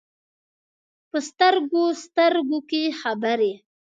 په سترګو، سترګو کې خبرې ،